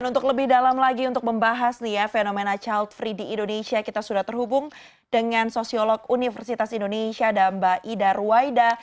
untuk lebih dalam lagi untuk membahas fenomena child free di indonesia kita sudah terhubung dengan sosiolog universitas indonesia dan mbak ida ruwaida